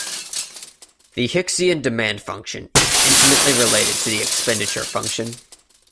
The Hicksian demand function is intimately related to the expenditure function.